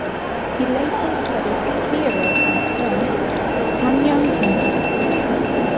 He later studied Theater and Film at Hanyang University.